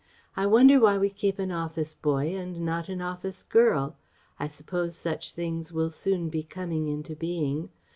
I wonder why we keep an office boy and not an office girl? I suppose such things will soon be coming into being.